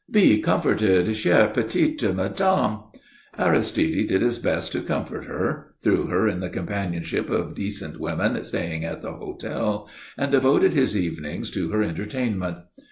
Be comforted, chère petite madame." Aristide did his best to comfort her, threw her in the companionship of decent women staying at the hotel, and devoted his evenings to her entertainment.